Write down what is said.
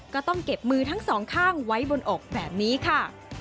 ก็ต้องเก็บมือทั้งสองข้างไว้บนอกแบบนี้ค่ะ